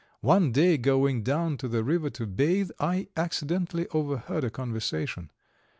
One day, going down to the river to bathe, I accidentally overheard a conversation.